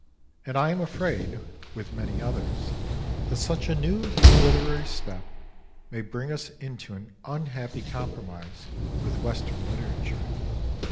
And I am afraid, with many others, that such a new literary step may bring us into an unhappy compromise with Western litera ture.